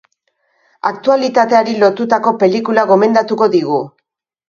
Aktualitateri lotutako pelikula gomendatuko digu.